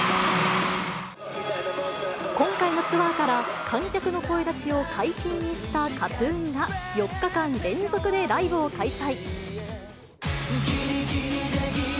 今回のツアーから、観客の声出しを解禁にしたＫＡＴーＴＵＮが、４日間連続でライブを開催。